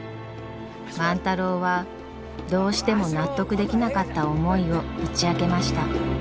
万太郎はどうしても納得できなかった思いを打ち明けました。